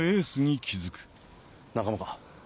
仲間か？